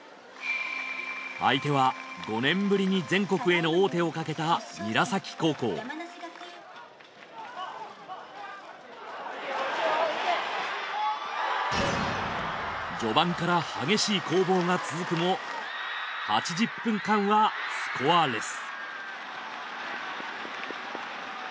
相手は５年ぶりに全国への王手をかけた韮崎高校序盤から激しい攻防が続くも８０分間はスコアレス。